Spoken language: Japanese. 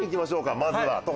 まずは。